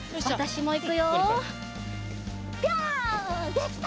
できた！